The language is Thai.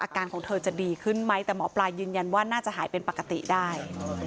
ของเธอจะดีขึ้นไหมแต่หมอปลายืนยันว่าน่าจะหายเป็นปกติได้